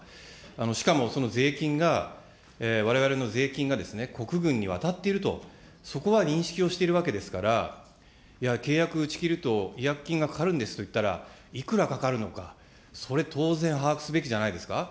しかもその税金が、われわれの税金がですね、国軍に渡っていると、そこは認識をしているわけですから、いや、契約打ち切ると、違約金がかかるんですと言ったら、いくらかかるのか、それ、当然把握すべきじゃないですか。